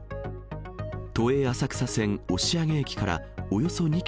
都営浅草線押上駅からおよそ２キ